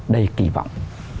đầy kỳ vọng